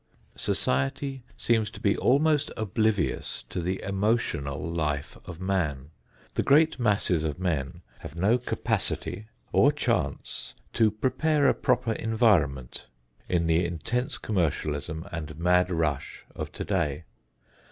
Society seems to be almost oblivious to the emotional life of man. The great masses of men have no capacity or chance to prepare a proper environment in the intense commercialism and mad rush of today.